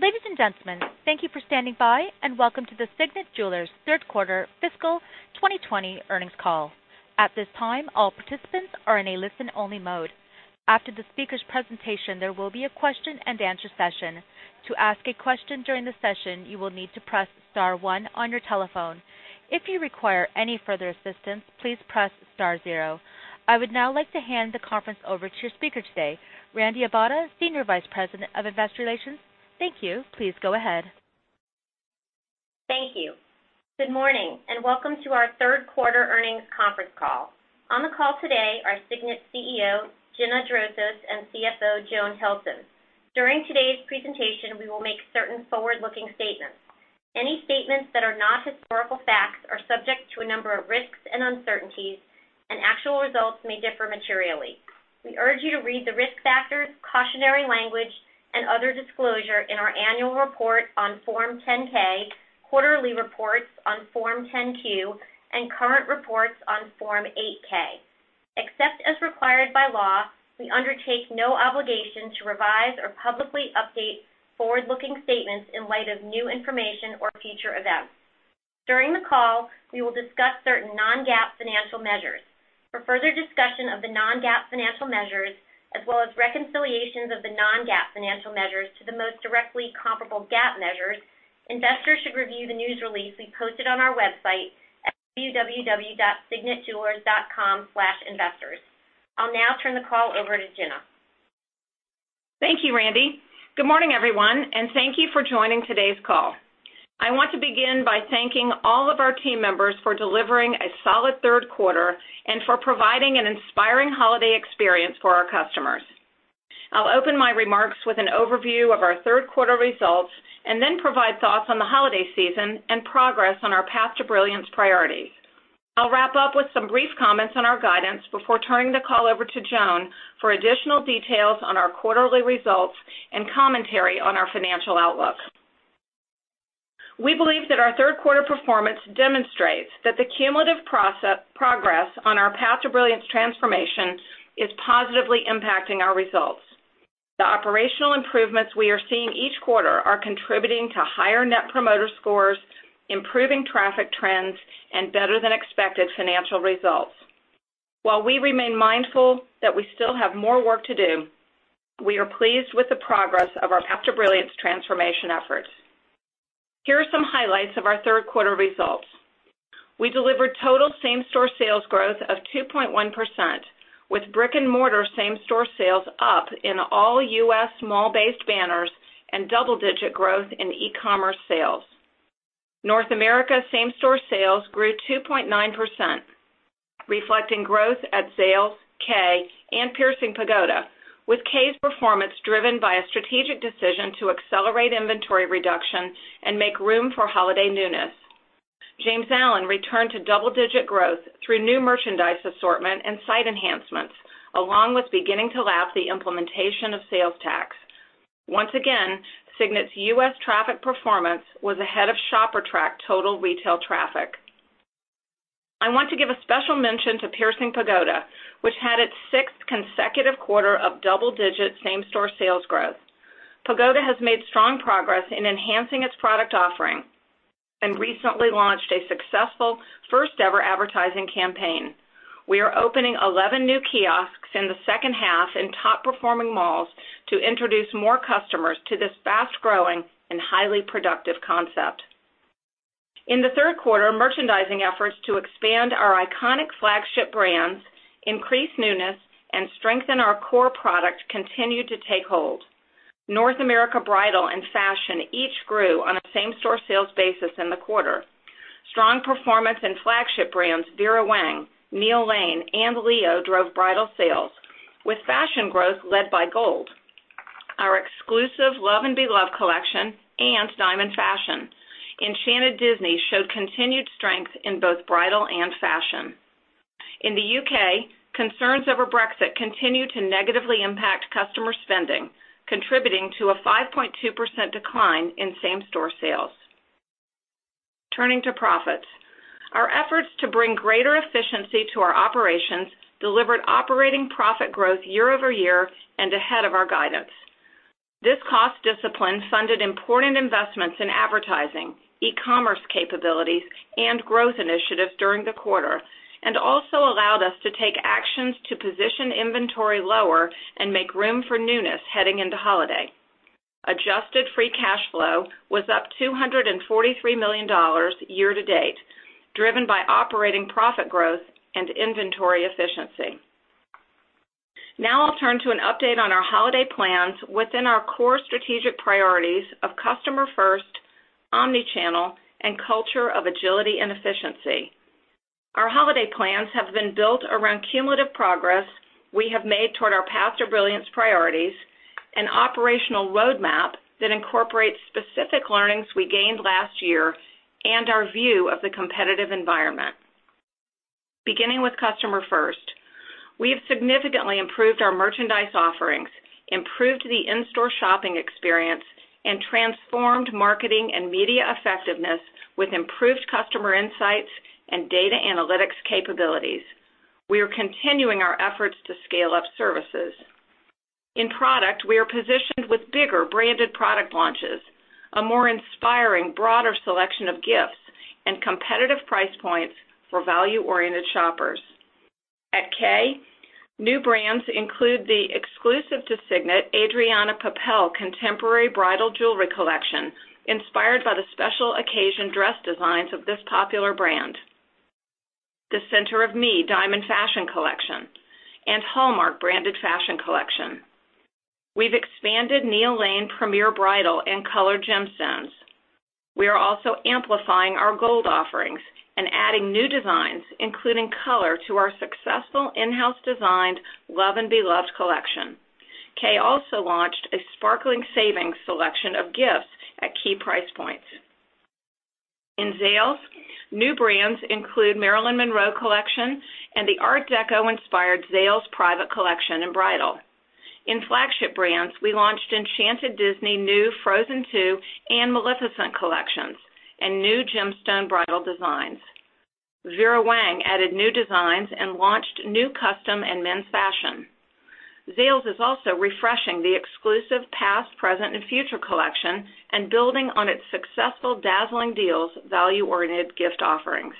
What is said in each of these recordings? Ladies and gentlemen, thank you for standing by and welcome to the Signet Jewelers Third Quarter Fiscal 2020 Earnings Call. At this time, all participants are in a listen-only mode. After the speaker's presentation, there will be a question-and-answer session. To ask a question during the session, you will need to press star one on your telephone. If you require any further assistance, please press star zero. I would now like to hand the conference over to your speaker today, Randi Abada, Senior Vice President of Investor Relations. Thank you. Please go ahead. Thank you. Good morning and welcome to our Third Quarter Earnings Conference Call. On the call today are Signet CEO, Gina Drosos, and CFO, Joan Hilson. During today's presentation, we will make certain forward-looking statements. Any statements that are not historical facts are subject to a number of risks and uncertainties, and actual results may differ materially. We urge you to read the risk factors, cautionary language, and other disclosure in our annual report on Form 10-K, quarterly reports on Form 10-Q, and current reports on Form 8-K. Except as required by law, we undertake no obligation to revise or publicly update forward-looking statements in light of new information or future events. During the call, we will discuss certain non-GAAP financial measures. For further discussion of the non-GAAP financial measures, as well as reconciliations of the non-GAAP financial measures to the most directly comparable GAAP measures, investors should review the news release we posted on our website at www.signetjewelers.com/investors. I'll now turn the call over to Gina. Thank you, Randi. Good morning, everyone, and thank you for joining today's call. I want to begin by thanking all of our team members for delivering a solid third quarter and for providing an inspiring holiday experience for our customers. I'll open my remarks with an overview of our third quarter results and then provide thoughts on the holiday season and progress on our path to brilliance priorities. I'll wrap up with some brief comments on our guidance before turning the call over to Joan for additional details on our quarterly results and commentary on our financial outlook. We believe that our third quarter performance demonstrates that the cumulative progress on our path to brilliance transformation is positively impacting our results. The operational improvements we are seeing each quarter are contributing to higher net promoter scores, improving traffic trends, and better-than-expected financial results. While we remain mindful that we still have more work to do, we are pleased with the progress of our Path to Brilliance transformation efforts. Here are some highlights of our third quarter results. We delivered total same-store sales growth of 2.1%, with brick-and-mortar same-store sales up in all U.S. mall-based banners and double-digit growth in e-commerce sales. North America's same-store sales grew 2.9%, reflecting growth at Zales, Kay, and Piercing Pagoda, with Kay's performance driven by a strategic decision to accelerate inventory reduction and make room for holiday newness. James Allen returned to double-digit growth through new merchandise assortment and site enhancements, along with beginning to lap the implementation of sales tax. Once again, Signet's U.S. traffic performance was ahead of ShopperTrack total retail traffic. I want to give a special mention to Piercing Pagoda, which had its sixth consecutive quarter of double-digit same-store sales growth. Pagoda has made strong progress in enhancing its product offering and recently launched a successful first-ever advertising campaign. We are opening 11 new kiosks in the second half in top-performing malls to introduce more customers to this fast-growing and highly productive concept. In the third quarter, merchandising efforts to expand our iconic flagship brands, increase newness, and strengthen our core product continued to take hold. North America bridal and fashion each grew on a same-store sales basis in the quarter. Strong performance in flagship brands Vera Wang, Neil Lane, and Leo drove bridal sales, with fashion growth led by gold. Our exclusive Love & Beloved collection and Diamond Fashion Enchanted Disney showed continued strength in both bridal and fashion. In the U.K., concerns over Brexit continued to negatively impact customer spending, contributing to a 5.2% decline in same-store sales. Turning to profits, our efforts to bring greater efficiency to our operations delivered operating profit growth year over year and ahead of our guidance. This cost discipline funded important investments in advertising, e-commerce capabilities, and growth initiatives during the quarter and also allowed us to take actions to position inventory lower and make room for newness heading into holiday. Adjusted free cash flow was up $243 million year to date, driven by operating profit growth and inventory efficiency. Now I'll turn to an update on our holiday plans within our core strategic priorities of customer-first, omnichannel, and culture of agility and efficiency. Our holiday plans have been built around cumulative progress we have made toward our Path to Brilliance priorities and operational roadmap that incorporates specific learnings we gained last year and our view of the competitive environment. Beginning with customer-first, we have significantly improved our merchandise offerings, improved the in-store shopping experience, and transformed marketing and media effectiveness with improved customer insights and data analytics capabilities. We are continuing our efforts to scale up services. In product, we are positioned with bigger branded product launches, a more inspiring, broader selection of gifts, and competitive price points for value-oriented shoppers. At Kay, new brands include the exclusive to Signet Adriana Papel contemporary bridal jewelry collection inspired by the special occasion dress designs of this popular brand, the Center of Me diamond fashion collection, and Hallmark branded fashion collection. We've expanded Neil Lane Premier Bridal and Color Gemstones. We are also amplifying our gold offerings and adding new designs, including color, to our successful in-house designed Love & Beloved collection. Kay also launched a sparkling savings selection of gifts at key price points. In Zales, new brands include Marilyn Monroe Collection and the Art Deco-inspired Zales private collection and bridal. In flagship brands, we launched Enchanted Disney new Frozen 2 and Maleficent collections and new gemstone bridal designs. Vera Wang added new designs and launched new custom and men's fashion. Zales is also refreshing the exclusive Past, Present, and Future collection and building on its successful dazzling deals value-oriented gift offerings.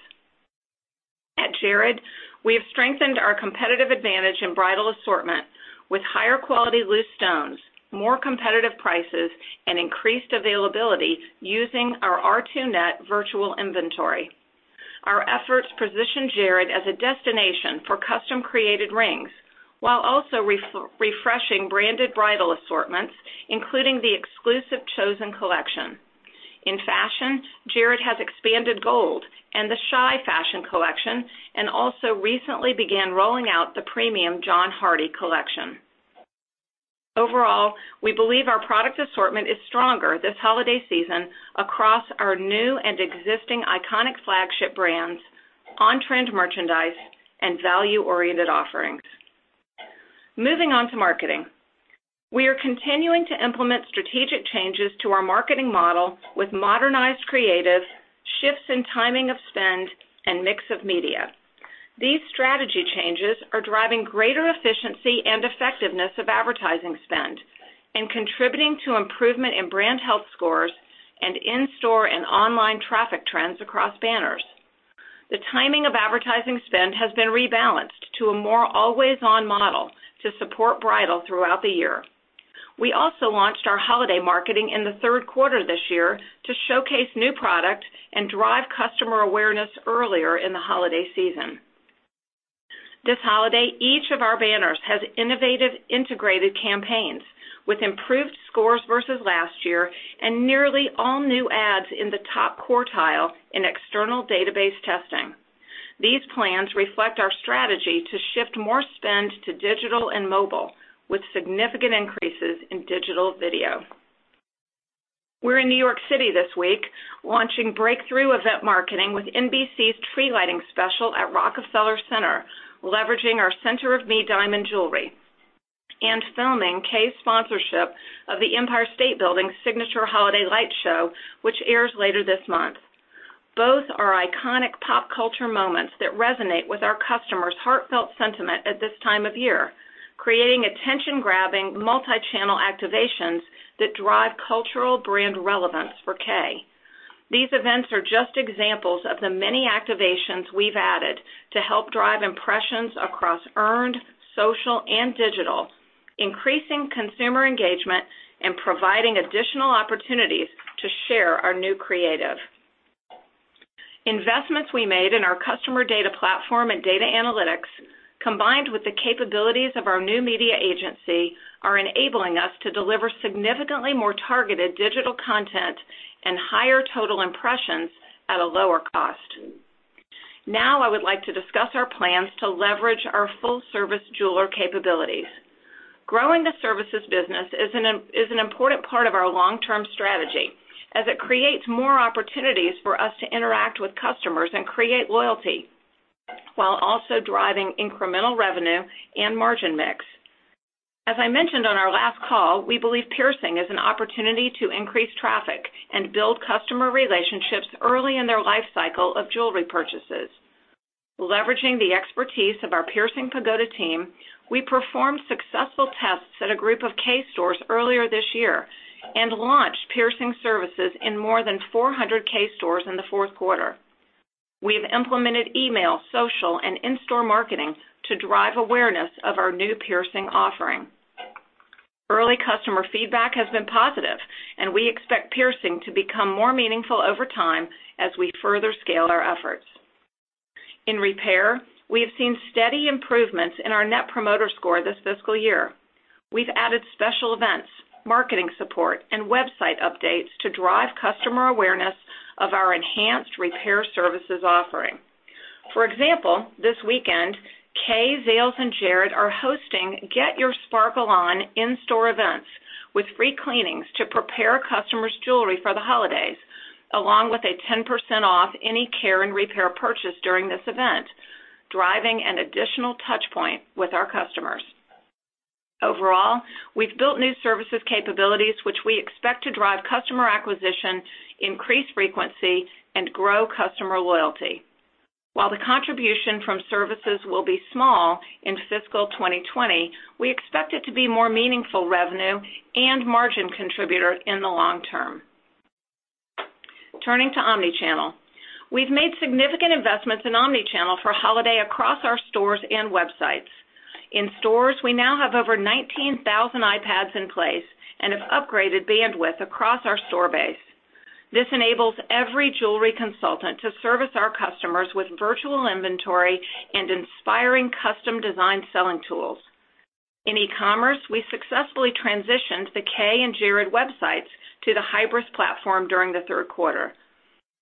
At Jared, we have strengthened our competitive advantage in bridal assortment with higher quality loose stones, more competitive prices, and increased availability using our R2Net virtual inventory. Our efforts position Jared as a destination for custom-created rings while also refreshing branded bridal assortments, including the exclusive Chosen Collection. In fashion, Jared has expanded gold and the Shy Fashion Collection and also recently began rolling out the premium John Hardy Collection. Overall, we believe our product assortment is stronger this holiday season across our new and existing iconic flagship brands, on-trend merchandise, and value-oriented offerings. Moving on to marketing, we are continuing to implement strategic changes to our marketing model with modernized creative, shifts in timing of spend, and mix of media. These strategy changes are driving greater efficiency and effectiveness of advertising spend and contributing to improvement in brand health scores and in-store and online traffic trends across banners. The timing of advertising spend has been rebalanced to a more always-on model to support bridal throughout the year. We also launched our holiday marketing in the third quarter this year to showcase new product and drive customer awareness earlier in the holiday season. This holiday, each of our banners has innovative integrated campaigns with improved scores versus last year and nearly all new ads in the top quartile in external database testing. These plans reflect our strategy to shift more spend to digital and mobile with significant increases in digital video. We're in New York City this week launching breakthrough event marketing with NBC's tree lighting special at Rockefeller Center, leveraging our Center of Me diamond jewelry and filming Kay's sponsorship of the Empire State Building Signature Holiday Light Show, which airs later this month. Both are iconic pop culture moments that resonate with our customers' heartfelt sentiment at this time of year, creating attention-grabbing multi-channel activations that drive cultural brand relevance for Kay. These events are just examples of the many activations we have added to help drive impressions across earned, social, and digital, increasing consumer engagement and providing additional opportunities to share our new creative. Investments we made in our customer data platform and data analytics, combined with the capabilities of our new media agency, are enabling us to deliver significantly more targeted digital content and higher total impressions at a lower cost. Now I would like to discuss our plans to leverage our full-service jeweler capabilities. Growing the services business is an important part of our long-term strategy as it creates more opportunities for us to interact with customers and create loyalty while also driving incremental revenue and margin mix. As I mentioned on our last call, we believe piercing is an opportunity to increase traffic and build customer relationships early in their life cycle of jewelry purchases. Leveraging the expertise of our Piercing Pagoda team, we performed successful tests at a group of K stores earlier this year and launched piercing services in more than 400 Kay stores in the fourth quarter. We have implemented email, social, and in-store marketing to drive awareness of our new piercing offering. Early customer feedback has been positive, and we expect piercing to become more meaningful over time as we further scale our efforts. In repair, we have seen steady improvements in our net promoter score this fiscal year. We've added special events, marketing support, and website updates to drive customer awareness of our enhanced repair services offering. For example, this weekend, Kay, Zales, and Jared are hosting Get Your Sparkle On in-store events with free cleanings to prepare customers' jewelry for the holidays, along with a 10% off any care and repair purchase during this event, driving an additional touchpoint with our customers. Overall, we've built new services capabilities, which we expect to drive customer acquisition, increase frequency, and grow customer loyalty. While the contribution from services will be small in fiscal 2020, we expect it to be more meaningful revenue and margin contributor in the long term. Turning to omnichannel, we've made significant investments in omnichannel for holiday across our stores and websites. In stores, we now have over 19,000 iPads in place and have upgraded bandwidth across our store base. This enables every jewelry consultant to service our customers with virtual inventory and inspiring custom-designed selling tools. In e-commerce, we successfully transitioned the Kay and Jared websites to the Hybris platform during the third quarter.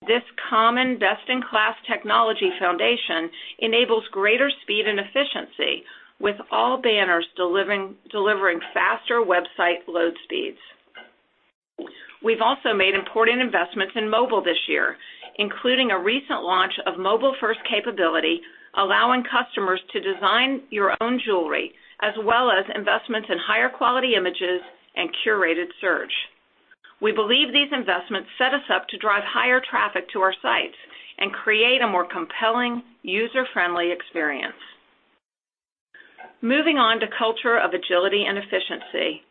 This common best-in-class technology foundation enables greater speed and efficiency, with all banners delivering faster website load speeds. We've also made important investments in mobile this year, including a recent launch of mobile-first capability allowing customers to design your own jewelry, as well as investments in higher quality images and curated search. We believe these investments set us up to drive higher traffic to our sites and create a more compelling, user-friendly experience. Moving on to culture of agility and efficiency,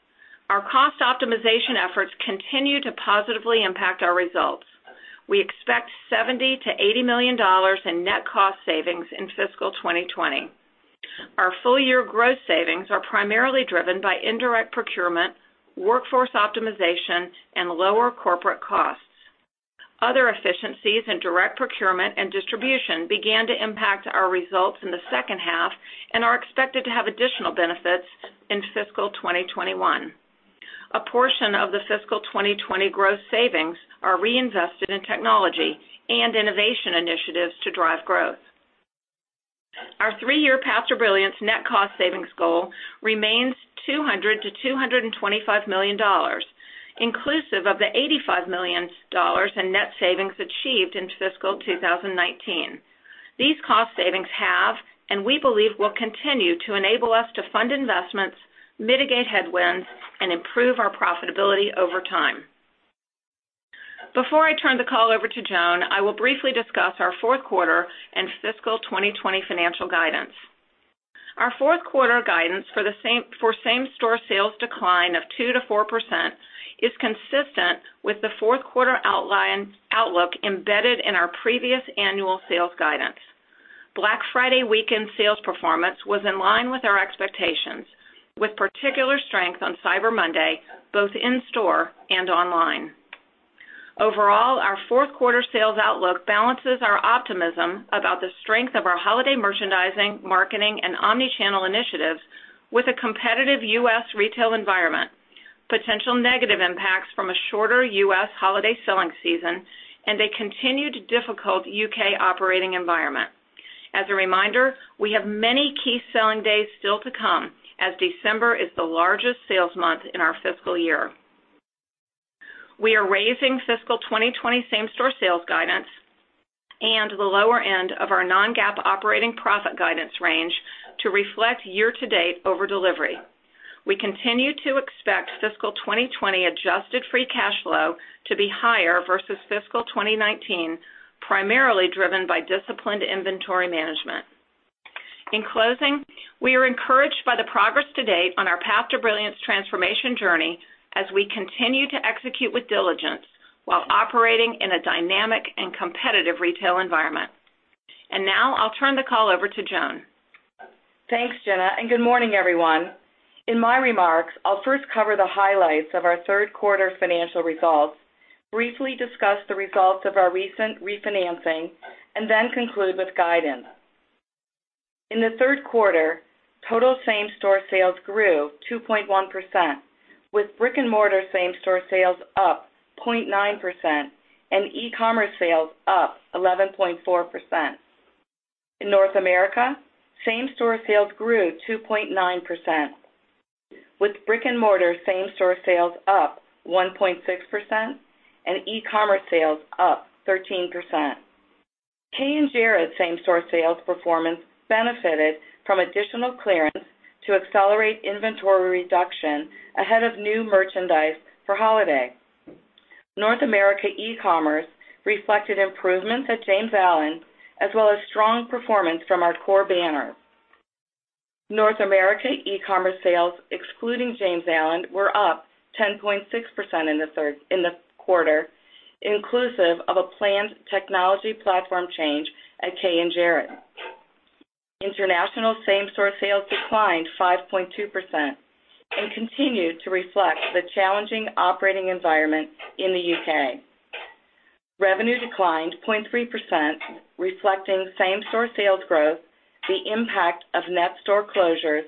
our cost optimization efforts continue to positively impact our results. We expect $70-$80 million in net cost savings in fiscal 2020. Our full-year gross savings are primarily driven by indirect procurement, workforce optimization, and lower corporate costs. Other efficiencies in direct procurement and distribution began to impact our results in the second half and are expected to have additional benefits in fiscal 2021. A portion of the fiscal 2020 gross savings are reinvested in technology and innovation initiatives to drive growth. Our three-year Path to Brilliance net cost savings goal remains $200-$225 million, inclusive of the $85 million in net savings achieved in fiscal 2019. These cost savings have, and we believe, will continue to enable us to fund investments, mitigate headwinds, and improve our profitability over time. Before I turn the call over to Joan, I will briefly discuss our fourth quarter and fiscal 2020 financial guidance. Our fourth quarter guidance for same-store sales decline of 2-4% is consistent with the fourth quarter outlook embedded in our previous annual sales guidance. Black Friday weekend sales performance was in line with our expectations, with particular strength on Cyber Monday, both in-store and online. Overall, our fourth quarter sales outlook balances our optimism about the strength of our holiday merchandising, marketing, and omnichannel initiatives with a competitive U.S. retail environment, potential negative impacts from a shorter U.S. holiday selling season, and a continued difficult U.K. operating environment. As a reminder, we have many key selling days still to come as December is the largest sales month in our fiscal year. We are raising fiscal 2020 same-store sales guidance and the lower end of our non-GAAP operating profit guidance range to reflect year-to-date over delivery. We continue to expect fiscal 2020 adjusted free cash flow to be higher versus fiscal 2019, primarily driven by disciplined inventory management. In closing, we are encouraged by the progress to date on our Path to Brilliance transformation journey as we continue to execute with diligence while operating in a dynamic and competitive retail environment. I will now turn the call over to Joan. Thanks, Gina, and good morning, everyone. In my remarks, I will first cover the highlights of our third quarter financial results, briefly discuss the results of our recent refinancing, and then conclude with guidance. In the third quarter, total same-store sales grew 2.1%, with brick-and-mortar same-store sales up 0.9% and e-commerce sales up 11.4%. In North America, same-store sales grew 2.9%, with brick-and-mortar same-store sales up 1.6% and e-commerce sales up 13%. Kay and Jared same-store sales performance benefited from additional clearance to accelerate inventory reduction ahead of new merchandise for holiday. North America e-commerce reflected improvements at James Allen, as well as strong performance from our core banners. North America e-commerce sales, excluding James Allen, were up 10.6% in the quarter, inclusive of a planned technology platform change at Kay and Jared. International same-store sales declined 5.2% and continued to reflect the challenging operating environment in the U.K. Revenue declined 0.3%, reflecting same-store sales growth, the impact of net store closures,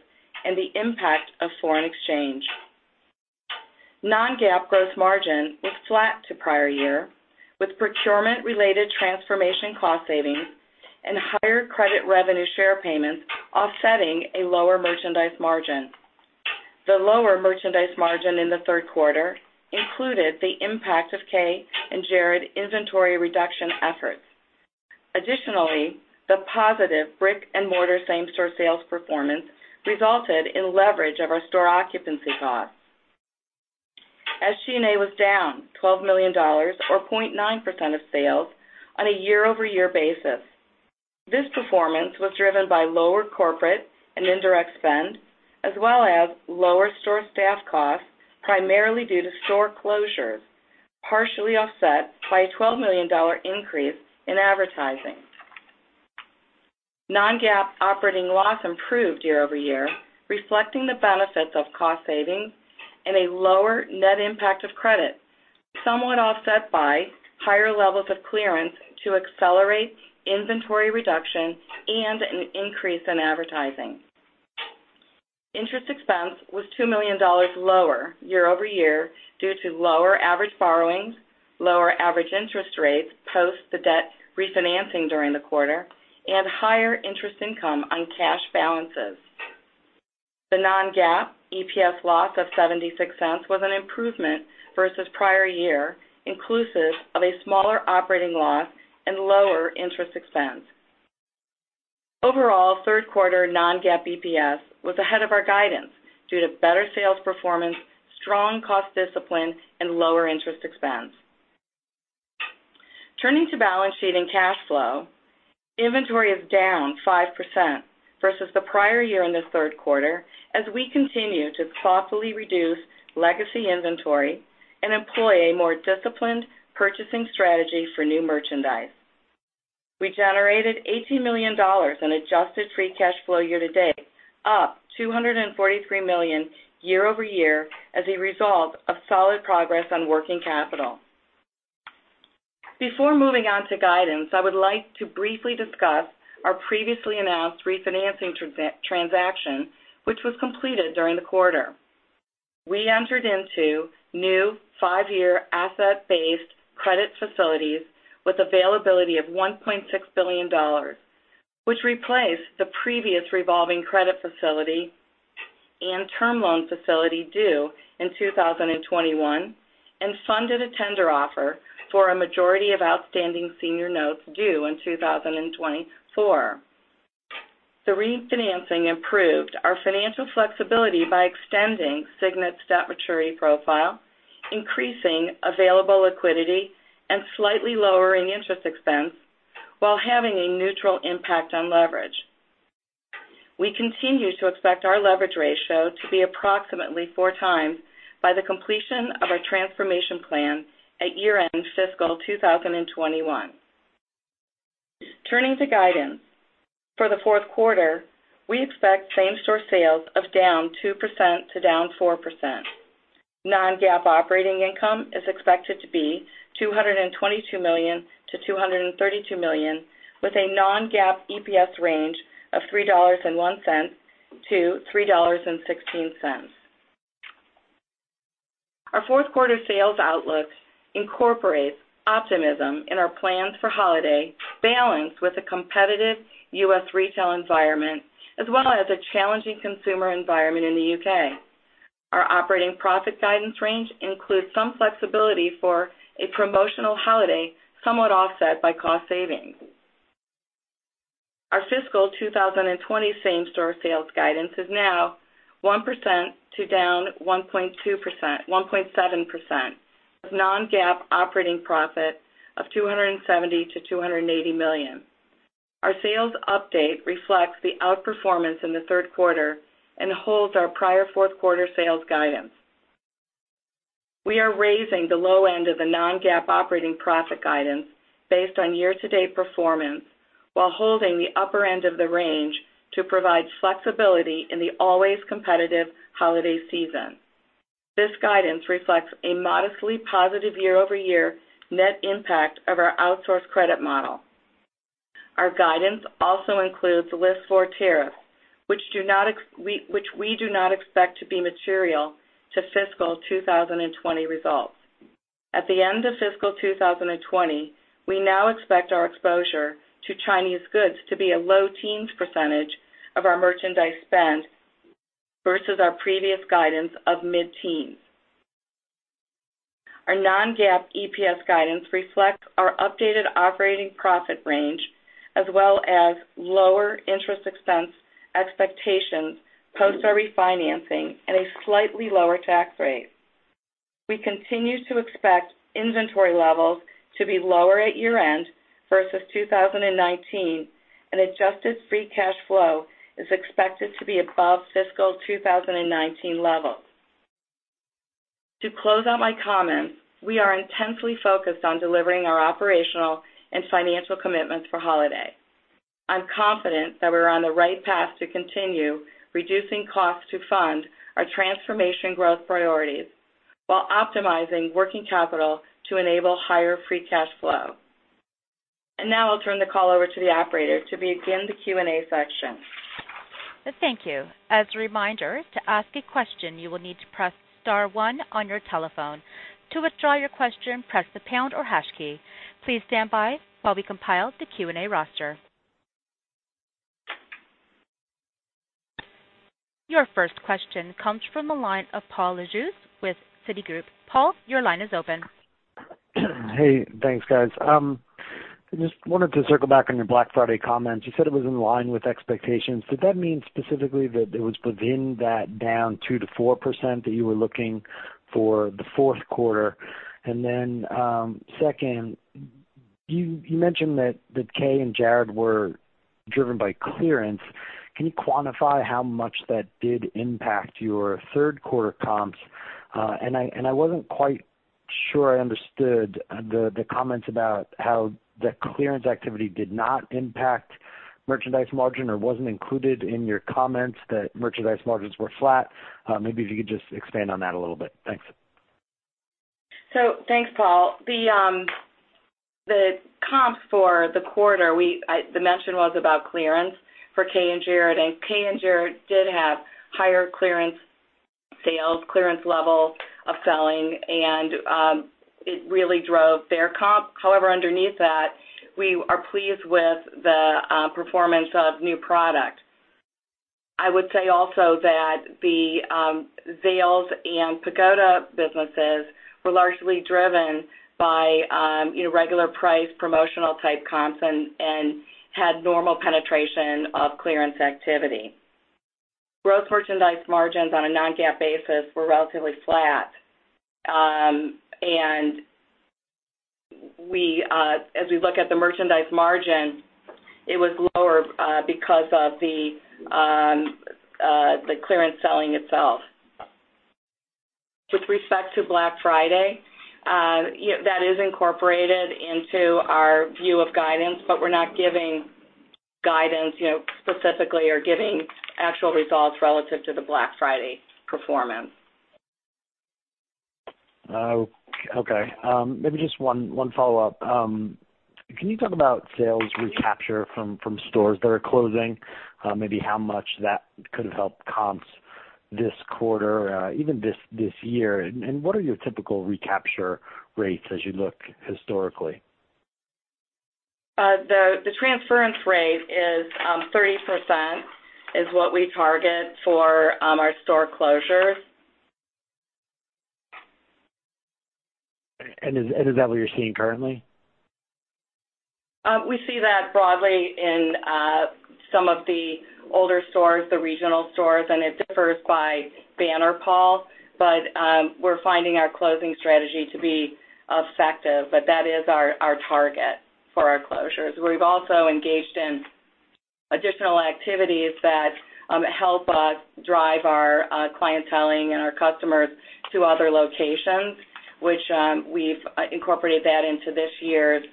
and the impact of foreign exchange. Non-GAAP gross margin was flat to prior year, with procurement-related transformation cost savings and higher credit revenue share payments offsetting a lower merchandise margin. The lower merchandise margin in the third quarter included the impact of Kay and Jared inventory reduction efforts. Additionally, the positive brick-and-mortar same-store sales performance resulted in leverage of our store occupancy costs. SG&A was down $12 million, or 0.9% of sales, on a year-over-year basis. This performance was driven by lower corporate and indirect spend, as well as lower store staff costs, primarily due to store closures, partially offset by a $12 million increase in advertising. Non-GAAP operating loss improved year-over-year, reflecting the benefits of cost savings and a lower net impact of credit, somewhat offset by higher levels of clearance to accelerate inventory reduction and an increase in advertising. Interest expense was $2 million lower year-over-year due to lower average borrowings, lower average interest rates post the debt refinancing during the quarter, and higher interest income on cash balances. The non-GAAP EPS loss of $0.76 was an improvement versus prior year, inclusive of a smaller operating loss and lower interest expense. Overall, third quarter non-GAAP EPS was ahead of our guidance due to better sales performance, strong cost discipline, and lower interest expense. Turning to balance sheet and cash flow, inventory is down 5% versus the prior year in the third quarter as we continue to thoughtfully reduce legacy inventory and employ a more disciplined purchasing strategy for new merchandise. We generated $18 million in adjusted free cash flow year-to-date, up $243 million year-over-year as a result of solid progress on working capital. Before moving on to guidance, I would like to briefly discuss our previously announced refinancing transaction, which was completed during the quarter. We entered into new five-year asset-based credit facilities with availability of $1.6 billion, which replaced the previous revolving credit facility and term loan facility due in 2021 and funded a tender offer for a majority of outstanding senior notes due in 2024. The refinancing improved our financial flexibility by extending Signet's debt maturity profile, increasing available liquidity, and slightly lowering interest expense while having a neutral impact on leverage. We continue to expect our leverage ratio to be approximately 4 times by the completion of our transformation plan at year-end fiscal 2021. Turning to guidance, for the fourth quarter, we expect same-store sales of down 2%-4%. Non-GAAP operating income is expected to be $222 million-$232 million, with a non-GAAP EPS range of $3.01-$3.16. Our fourth quarter sales outlook incorporates optimism in our plans for holiday, balanced with a competitive U.S. retail environment, as well as a challenging consumer environment in the U.K. Our operating profit guidance range includes some flexibility for a promotional holiday, somewhat offset by cost savings. Our fiscal 2020 same-store sales guidance is now 1% to down 1.7% with non-GAAP operating profit of $270-$280 million. Our sales update reflects the outperformance in the third quarter and holds our prior fourth quarter sales guidance. We are raising the low end of the non-GAAP operating profit guidance based on year-to-date performance while holding the upper end of the range to provide flexibility in the always competitive holiday season. This guidance reflects a modestly positive year-over-year net impact of our outsourced credit model. Our guidance also includes list four tariffs, which we do not expect to be material to fiscal 2020 results. At the end of fiscal 2020, we now expect our exposure to Chinese goods to be a low teens percentage of our merchandise spend versus our previous guidance of mid-teens. Our non-GAAP EPS guidance reflects our updated operating profit range, as well as lower interest expense expectations post our refinancing and a slightly lower tax rate. We continue to expect inventory levels to be lower at year-end versus 2019, and adjusted free cash flow is expected to be above fiscal 2019 levels. To close out my comments, we are intensely focused on delivering our operational and financial commitments for holiday. I'm confident that we're on the right path to continue reducing costs to fund our transformation growth priorities while optimizing working capital to enable higher free cash flow. Now I'll turn the call over to the operator to begin the Q&A section. Thank you. As a reminder, to ask a question, you will need to press star one on your telephone. To withdraw your question, press the pound or hash key. Please stand by while we compile the Q&A roster. Your first question comes from the line of Paul Lejuez with Citigroup. Paul, your line is open. Hey, thanks, guys. I just wanted to circle back on your Black Friday comments. You said it was in line with expectations. Did that mean specifically that it was within that down 2-4% that you were looking for the fourth quarter? Second, you mentioned that Kay and Jared were driven by clearance. Can you quantify how much that did impact your third quarter comps? I was not quite sure I understood the comments about how the clearance activity did not impact merchandise margin or was not included in your comments, that merchandise margins were flat. Maybe if you could just expand on that a little bit. Thanks. Thanks, Paul. The comps for the quarter, the mention was about clearance for Kay and Jared, and Kay and Jared did have higher clearance sales, clearance level of selling, and it really drove their comp. However, underneath that, we are pleased with the performance of new product. I would say also that the Zales and Pagoda businesses were largely driven by regular price promotional-type comps and had normal penetration of clearance activity. Gross merchandise margins on a non-GAAP basis were relatively flat. As we look at the merchandise margin, it was lower because of the clearance selling itself. With respect to Black Friday, that is incorporated into our view of guidance, but we're not giving guidance specifically or giving actual results relative to the Black Friday performance. Okay. Maybe just one follow-up. Can you talk about sales recapture from stores that are closing? Maybe how much that could have helped comps this quarter, even this year. What are your typical recapture rates as you look historically? The transference rate is 30% is what we target for our store closures. Is that what you're seeing currently? We see that broadly in some of the older stores, the regional stores, and it differs by banner, Paul, but we're finding our closing strategy to be effective. That is our target for our closures. We've also engaged in additional activities that help us drive our clientele and our customers to other locations, which we've incorporated into this year's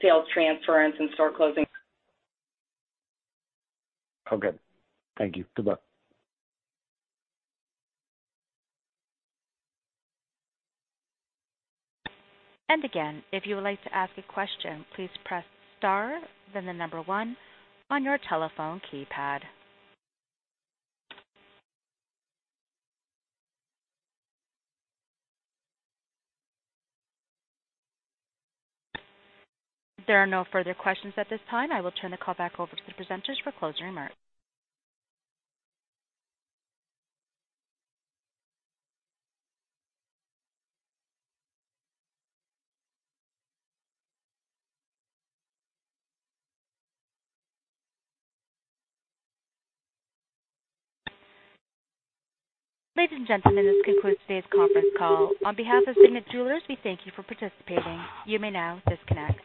sales transference and store closing. Okay. Thank you. Good luck. If you would like to ask a question, please press star, then the number one on your telephone keypad. There are no further questions at this time. I will turn the call back over to the presenters for closing remarks. Ladies and gentlemen, this concludes today's conference call. On behalf of Signet Jewelers, we thank you for participating. You may now disconnect.